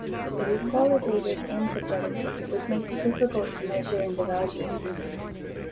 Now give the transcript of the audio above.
It is qualitative and subjective which makes it difficult to measure and evaluate.